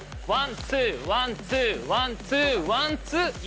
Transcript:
ワンツーワンツーワンツーワンツー。